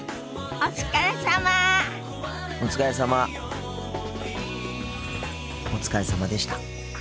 お疲れさまでした。